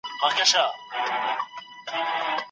ړوند هلک تر بل هر چا له ډاره په اوږه مڼه ښه ساتي.